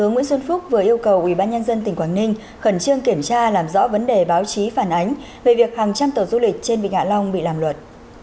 nguyễn xuân phúc vừa yêu cầu ubnd tỉnh quảng ninh khẩn trương kiểm tra làm rõ vấn đề báo chí phản ánh về việc hàng trăm tàu du lịch trên vịnh hạ long bị làm luật